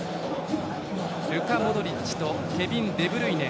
ルカ・モドリッチとケビン・デブルイネ。